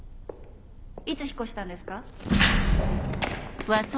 いつ引っ越したんですか？